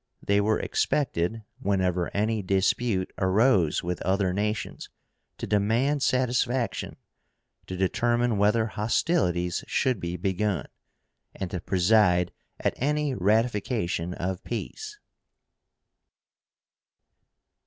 They were expected, whenever any dispute arose with other nations, to demand satisfaction, to determine whether hostilities should be begun, and to preside at any ratification of peace.